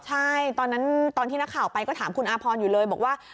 ใช่ตอนที่นาข่าวไปก็ถามคุณอาพรอยู่เลยบอกว่า